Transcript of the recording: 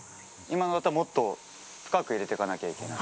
今のだと、もっと深く入れてかなきゃいけない？